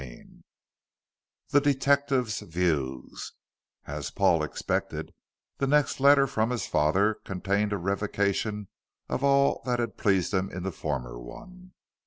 CHAPTER XIII THE DETECTIVE'S VIEWS As Paul expected, the next letter from his father contained a revocation of all that had pleased him in the former one.